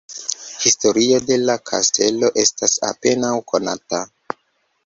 Historio de la kastelo estas apenaŭ konata.